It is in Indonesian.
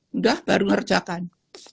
udah baru ngerjakan